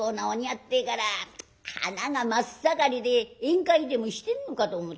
ってえから花が真っ盛りで宴会でもしてんのかと思ったよ。